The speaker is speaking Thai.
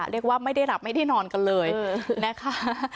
เรียกว่าไม่ได้หลับไม่ได้นอนกันเลยนะคะ